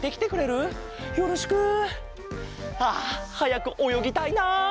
あはやくおよぎたいな！